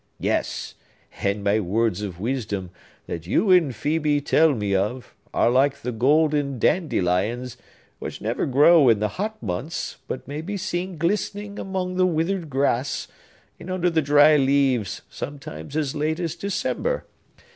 Yes; and my words of wisdom, that you and Phœbe tell me of, are like the golden dandelions, which never grow in the hot months, but may be seen glistening among the withered grass, and under the dry leaves, sometimes as late as December.